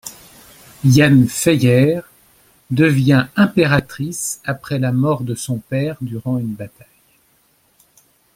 Yen Feier devient impératrice après la mort de son père durant une bataille.